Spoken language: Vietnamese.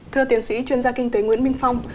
thưa tiến sĩ chuyên gia kinh tế nguyễn minh phong